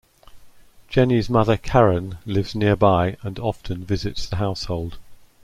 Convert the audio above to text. Jenny's mother Karen lives nearby and often visits the household.